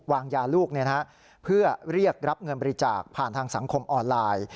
วางยาลูกเพื่อเรียกรับเงินบริจาคผ่านทางสังคมออนไลน์